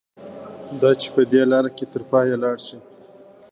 دا چې په دې لاره کې تر پایه لاړ شي.